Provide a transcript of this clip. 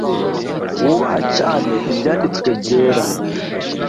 wubaha cyane ibyanditswe byera